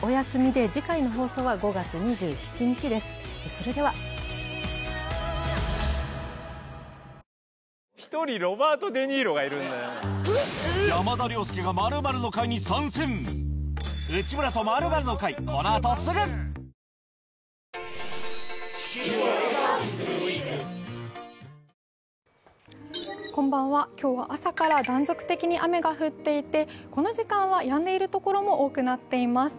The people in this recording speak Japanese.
それでも暴力に抗い命を懸けて今日は朝から断続的に雨が降っていて、この時間はやんでいるところも多くなっています。